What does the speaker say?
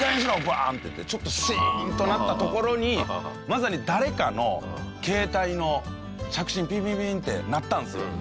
バンっていってちょっとシーンとなったところにまさに誰かの携帯の着信ピピピって鳴ったんですよ。